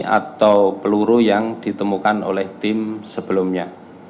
atau peluru yang ditemukan oleh tim sebelumnya